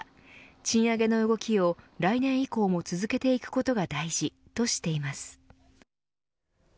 賃上げの動きを来年以降も続けていくことが大事としています。